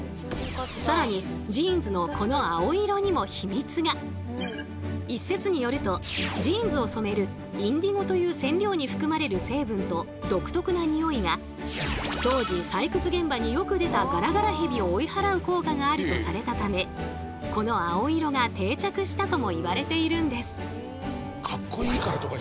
更に一説によるとジーンズを染めるインディゴという染料に含まれる成分と独特なニオイが当時採掘現場によく出たガラガラヘビを追い払う効果があるとされたためこの青色が定着したともいわれているんです。